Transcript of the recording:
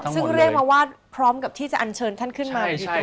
อ๋อซึ่งเรียกมาว่าพร้อมกับที่จะอัญเชิญท่านขึ้นมาอยู่ด้วย